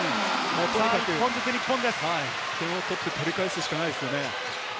とにかく点を取って取り返すしかないですね。